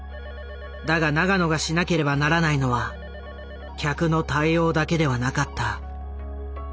だが永野がしなければならないのは客の対応だけではなかった。